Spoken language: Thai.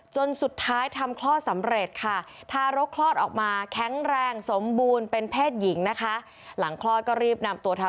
จนสุดท้ายทำคลอดสำเร็จค่ะ